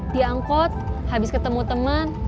di angkot habis ketemu teman